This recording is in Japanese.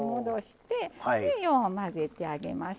よう混ぜてあげます。